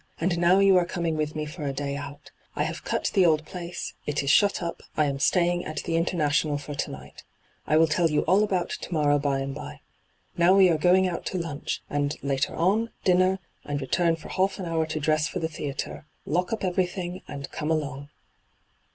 And now you are coming with me for a day out. I have cut the old place — it is shut up ; I am staying at the International for to night. I will tell you all about to morrow by and by. Now we are going out to lunch, and, later on, dinner, and return for half an hour to dress for the theatre. Lock up everything, and come along.'